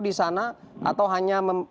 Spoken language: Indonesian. di sana atau hanya